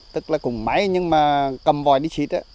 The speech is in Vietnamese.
tức là cùng máy nhưng mà cầm vòi đi xịt ấy